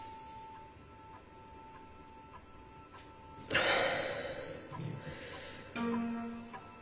はあ。